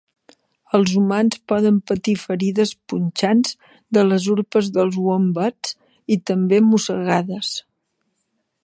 Els humans poden patir ferides punxants de les urpes dels uombats i també mossegades.